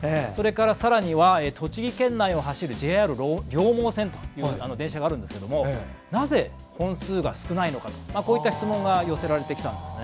さらには栃木県内を走るＪＲ両毛線という電車があるんですがなぜ、本数が少ないのかといった質問が寄せられてきたんです。